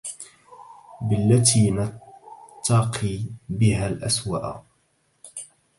بالتي نتَّقي بها الأَسواءَ